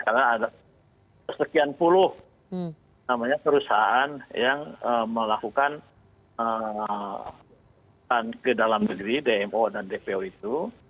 karena ada sekian puluh namanya perusahaan yang melakukan ke dalam negeri dmo dan dpo itu